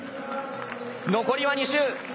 残りは２周。